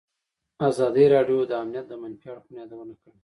ازادي راډیو د امنیت د منفي اړخونو یادونه کړې.